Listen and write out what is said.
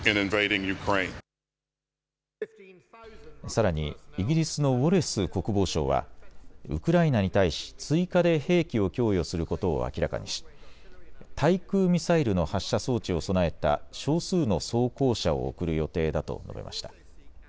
さらにイギリスのウォレス国防相はウクライナに対し追加で兵器を供与することを明らかにし対空ミサイルの発射装置を備えた少数の装甲車を送る予定だと述べました。